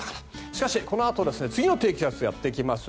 しかしこのあと次の低気圧がやってきます。